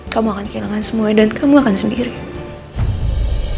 kamu akan kehilangan semuanya dan kehilangan diri kamu